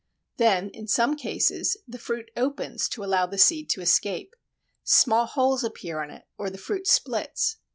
Then in some cases the fruit opens to allow the seed to escape. Small holes appear in it, or the fruit splits.